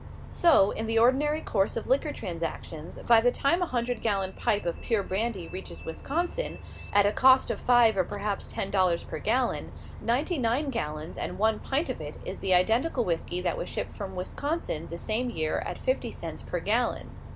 So, in the ordinary course of liquor transactions, by the time a hundred gallon pipe of pure brandy reaches Wisconsin, at a cost of five or perhaps ten dollars per gallon, ninety nine gallons and one pint of it is the identical whisky that was shipped from Wisconsin the same year at fifty cents per gallon.